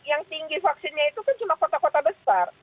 yang tinggi vaksinnya itu kan cuma kota kota besar